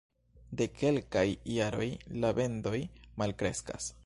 De kelkaj jaroj la vendoj malkreskas.